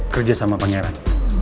kerja sama pangeran